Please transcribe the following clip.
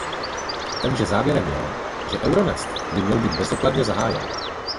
Takže závěrem je, že Euronest by měl být bezodkladně zahájen.